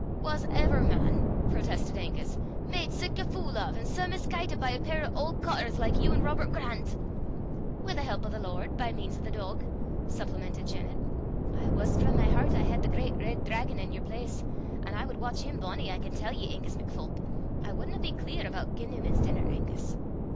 "Was ever man," protested Angus "made sic a fule o', an' sae misguidit, by a pair o' auld cottars like you an' Robert Grant!" "Wi' the help o' the Lord, by means o' the dog," supplemented Janet. "I wuss frae my hert I hed the great reid draigon i' yer place, an' I wad watch him bonnie, I can tell ye, Angus MacPholp. I wadna be clear aboot giein' him his denner, Angus."